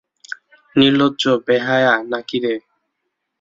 নির্লজ্জ বেহায়া না কি রে এ?